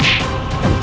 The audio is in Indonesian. aku akan menang